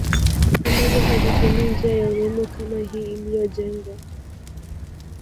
Ambazo hazitumii njia ya umeme kama hii inayojengwa